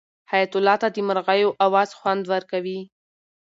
حیات الله ته د مرغیو اواز خوند ورکوي.